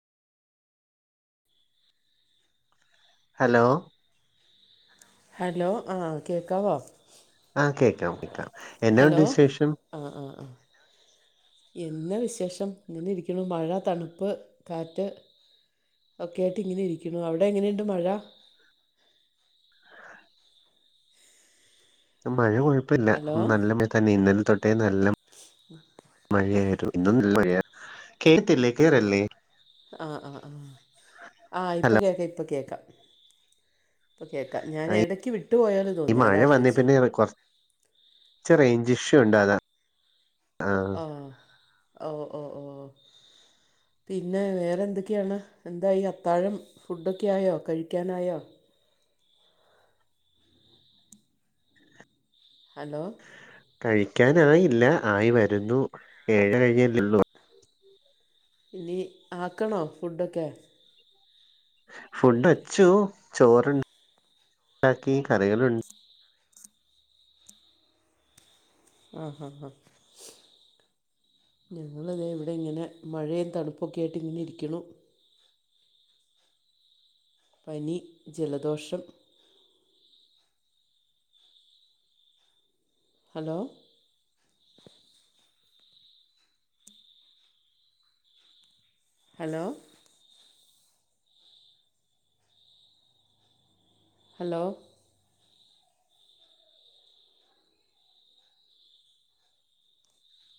hello hello ആഹ് കേക്കാവോ ആഹ് കേക്കാം കേക്കാം എന്നാ ഉണ്ട് ഹലോ വിശേഷം ആഹ് ആഹ് ആഹ് എന്ന വിശേഷം ഇങ്ങനെ ഇരിക്കണു മഴ തണുപ്പ് കാറ്റ് ഒക്കെയ ആയിട്ട് ഇങ്ങനെ ഇരിക്കുന്നു അവിടെ എങ്ങനെയുണ്ട് മഴ മഴ കുഴപ്പമില്ല ഹലോ നല്ല മഴ തന്നെ ഇന്നലെ തൊട്ടേ നല്ല [inaudible] മഴയായിരുന്നു ഇന്നൊന്നല്ല മഴയാ കേട്ടില്ലേ ക്ലിയറല്ലേ ആഹ് ആഹ് ആഹ് ആഹ് ഇപ്പൊ ഹലോ കേക്കാം ഇപ്പം കേക്കാം കേക്കാ ഞാൻ ആ, ഇടയ്ക്ക് വിട്ടുപോയാല് ഈ തോന്നിയ മഴ അതാ വന്നേ ചോദിച്ചത് പിന്നെ റെ- കുറച്ച് [unintelligible] റേഞ്ച് ഇഷ്യു ഉണ്ട് അതാ ആ ആഹ് ഓഹ് ഓഹ് ഓഹ് പിന്നെ വേറെ എന്തൊക്കെയാണ് എന്താ ഈ അത്താഴം ഫുഡൊക്കെ ആയോ കഴിക്കാനായോ ഹലോ കഴിക്കാനായില്ല ആയി വരുന്നു ഏഴ് കഴിഞ്ഞല്ലള്ളൂ ഇനി ആക്കണോ ഫുഡൊക്കെ ഫുഡ് വച്ചു ചോറ്ണ്ട് ഉണ്ടാക്കി കറികളുണ്ട് ആഹ് ഹാ ഹ ഞങ്ങളത് ഇവിടെ ഇങ്ങനെ മഴയും തണുപ്പൊക്കെ ആയിട്ട് ഇങ്ങനെ ഇരിക്കണു പനി ജലദോഷം ഹലോ ഹലോ ഹലോ